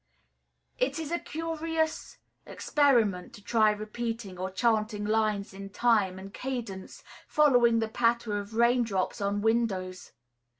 It is a curious experiment to try repeating or chanting lines in time and cadence following the patter of raindrops on windows.